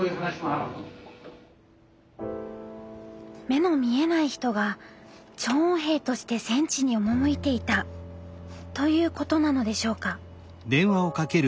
目の見えない人が聴音兵として戦地に赴いていたということなのでしょうか。